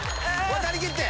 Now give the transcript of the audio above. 渡りきって！